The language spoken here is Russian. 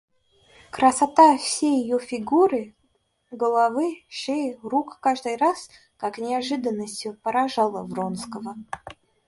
Красота всей ее фигуры, головы, шеи, рук каждый раз, как неожиданностью, поражала Вронского.